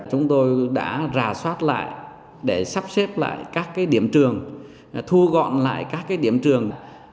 chúng tôi đã rà soát lại để sắp xếp lại các điểm trường thu gọn lại các điểm trường